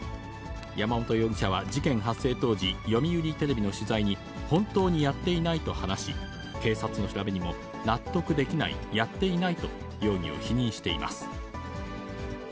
山本容疑者は、事件発生当時、読売テレビの取材に、本当にやっていないと話し、警察の調べにも、納得できない、やっていないと、容疑を否認しています。